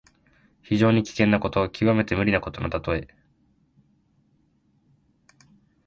非常に危険なこと、きわめて無理なことのたとえ。